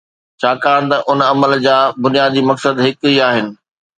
ڇاڪاڻ ته ان عمل جا بنيادي مقصد هڪ ئي آهن.